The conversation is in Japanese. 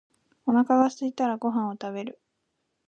お腹がすいたらご飯を食べる。